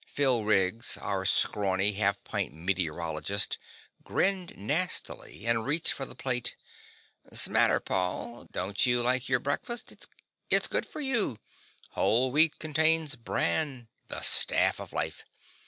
Phil Riggs, our scrawny, half pint meteorologist, grinned nastily and reached for the plate. "'Smatter, Paul? Don't you like your breakfast? It's good for you whole wheat contains bran. The staff of life.